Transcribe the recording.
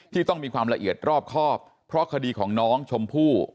ต้องมีความละเอียดรอบครอบเพราะคดีของน้องชมพู่